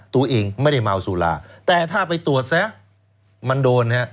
ตัวเองไม่ได้เมาสุราแต่ถ้าไปตรวจซะมันโดนฮะ